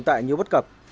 tại nhiều vất cập